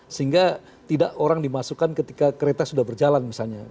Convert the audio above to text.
sehingga tidak orang dimasukkan ketika kereta sudah berjalan misalnya